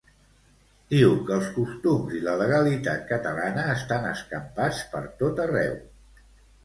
Diu que els costums i la legalitat catalana estan escampats per tot arreu.